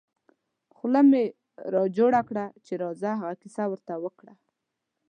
خوله کې مې را جوړه کړه چې راځه هغه کیسه ور ته وکړه.